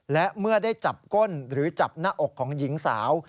และเมื่อได้จับก้นหรือจับหน้าอกของหญิงสาว